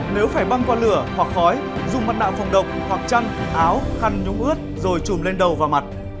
nếu phải băng qua lửa hoặc khói dùng mặt nạ phòng độc hoặc chăn áo khăn nhúng ướt rồi trùm lên đầu và mặt